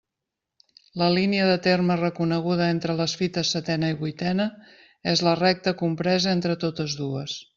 La línia de terme reconeguda entre les fites setena i vuitena és la recta compresa entre totes dues.